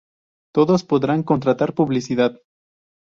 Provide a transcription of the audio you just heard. Todos podrán contratar publicidad.